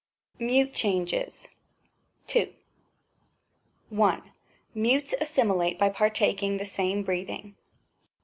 MUTE CHANGES. 2. I. Mutes assimilate by partaking the same breathing.